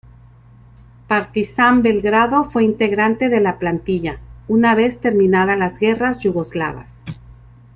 Partizan Belgrado fue integrante de la plantilla una vez terminada las Guerras Yugoslavas.